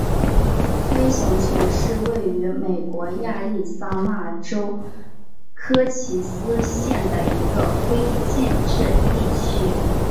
黑熊泉是位于美国亚利桑那州科奇斯县的一个非建制地区。